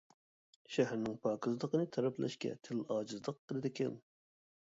شەھەرنىڭ پاكىزلىقىنى تەرىپلەشكە تىل ئاجىزلىق قىلىدىكەن.